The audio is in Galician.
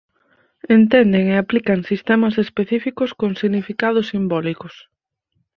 Entenden e aplican sistemas específicos con significados simbólicos.